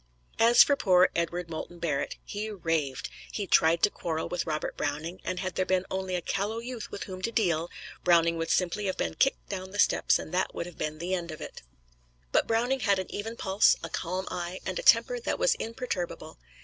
As for poor Edward Moulton Barrett he raved. He tried to quarrel with Robert Browning, and had there been only a callow youth with whom to deal, Browning would simply have been kicked down the steps, and that would have been an end of it. But Browning had an even pulse, a calm eye and a temper that was imperturbable.